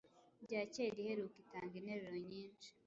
bya kera Iheruka itanga interuro nyinshi